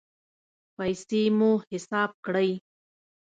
پیسې مو حساب کړئ